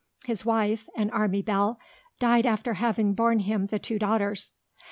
His wife, an army belle, died after having borne him the two daughters.